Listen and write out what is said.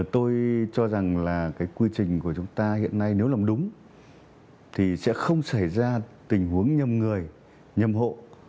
tôi cho rằng là cái quy trình của chúng ta hiện nay nếu làm đúng thì sẽ không xảy ra tình huống nhâm người nhâm hộ